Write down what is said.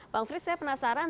bang frits saya penasaran